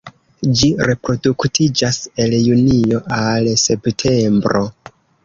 Ĝi reproduktiĝas el junio al septembro.